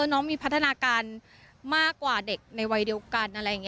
น้องมีพัฒนาการมากกว่าเด็กในวัยเดียวกัน